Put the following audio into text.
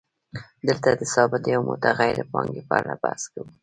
دلته د ثابتې او متغیرې پانګې په اړه بحث کوو